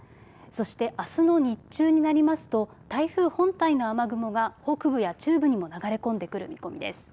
そしてあすの日中になりますと台風本体の雨雲が北部や中部にも流れ込んでくる見込みです。